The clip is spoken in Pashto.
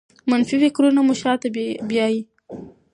منفي فکرونه مو شاته بیايي.